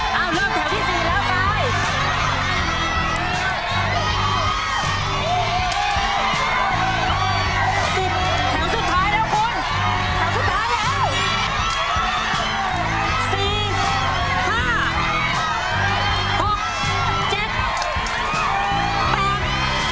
๑๐แถวสุดท้ายแล้วคุณแถวสุดท้ายแล้ว๔๕๖๗๘๙๑๐เร็วตั้งอ้าวหยุด